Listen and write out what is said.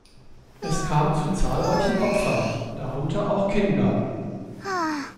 Es kam zu zahlreichen Opfern, darunter auch Kinder.